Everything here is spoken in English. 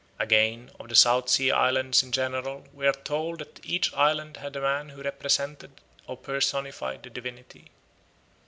Again, of the South Sea Islands in general we are told that each island had a man who represented or personified the divinity.